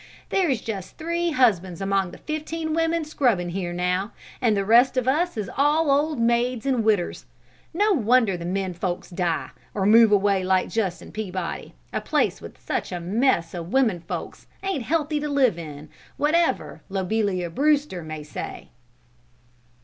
There's just three husbands among the fifteen women scrubbin' here now, and the rest of us is all old maids and widders. No wonder the men folks die, or move away like Justin Peabody; a place with such a mess o' women folks ain't healthy to live in, whatever Lobelia Brewster may say."